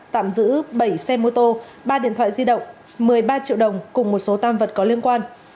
tạm giữ bảy xe mô tô ba điện thoại di động một mươi ba triệu đồng cùng một số tam vật có liên quan